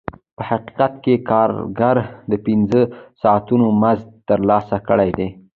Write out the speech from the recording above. په حقیقت کې کارګر د پنځه ساعتونو مزد ترلاسه کړی دی